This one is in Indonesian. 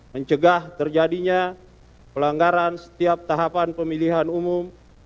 mencegah terjadinya pelanggaran setiap tahapan pemilihan umum